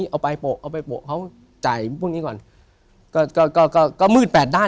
เอาไปโปะเขาจ่ายพวกนี้ก่อนก็มืดแปดด้านเหมือนที่พี่มทดำว่า